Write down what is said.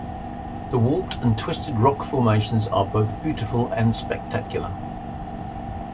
The warped and twisted rock formations are both beautiful and spectacular.